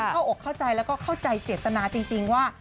อกเข้าใจแล้วก็เข้าใจเจตนาจริงว่า